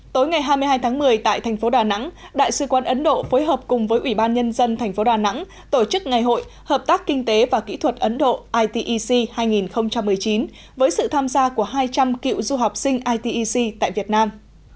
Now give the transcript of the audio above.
tối ngày hai mươi hai tháng một mươi tại thành phố đà nẵng đại sư quan ấn độ phối hợp cùng với ủy ban nhân dân thành phố đà nẵng tổ chức ngày hội hợp tác kinh tế và kỹ thuật ấn độ itec hai nghìn một mươi chín với sự tham gia của hai trăm linh cựu du học sinh itec tại việt nam